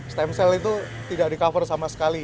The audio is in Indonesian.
stem cell itu tidak di cover sama sekali